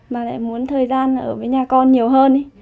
mà lại muốn thời gian ở với nhà con nhiều hơn